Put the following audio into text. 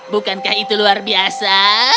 bukankah itu luar biasa